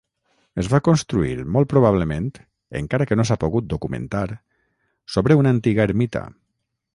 Es va construir molt probablement, encara que no s'ha pogut documentar, sobre una antiga ermita.